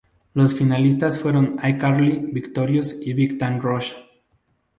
Los finalistas fueron "iCarly", "Victorious" y "Big Time Rush".